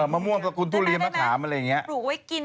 มะม่วงสกุลทุเรียมมะขามอะไรอย่างเนี่ย